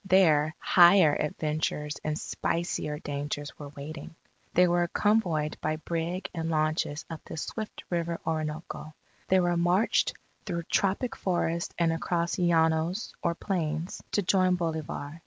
There, higher adventures and spicier dangers were waiting. They were convoyed by brig and launches up the swift river Orinoco. They were marched through tropic forest and across llanos or plains, to join Bolivar.